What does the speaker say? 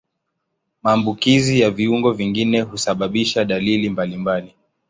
Maambukizi ya viungo vingine husababisha dalili mbalimbali.